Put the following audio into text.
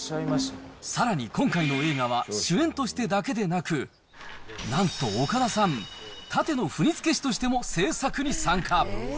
さらに、今回の映画は主演としてだけでなく、なんと岡田さん、タテの振付師としても製作に参加。